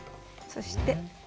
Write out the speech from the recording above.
そして。